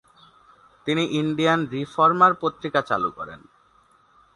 তিনি Indian Reformer পত্রিকা চালু করেন।